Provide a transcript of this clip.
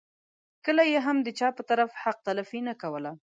کله یې هم د چا په طرف حق تلفي نه کوله.